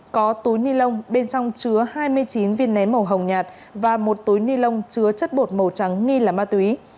có túi ni lông bên trong chứa hai mươi chín viên nén màu hồng nhạt và một túi ni lông chứa chất bột màu trắng nghi là ma túy